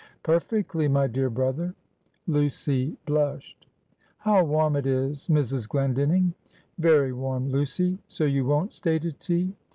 "Perfectly, my dear brother." Lucy blushed. "How warm it is, Mrs. Glendinning." "Very warm, Lucy. So you won't stay to tea?"